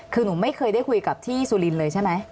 คือหนูไม่เคยได้คุยกับที่สุรินทร์เลยใช่ไหม